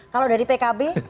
kalau dari pkb